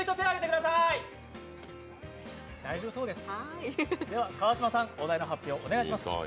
大丈夫そうです。